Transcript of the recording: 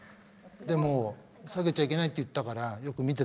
でも下げちゃいけないって言ったからよく見てたらね